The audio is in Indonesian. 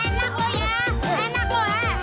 berarti kita jauh pulang pulang dong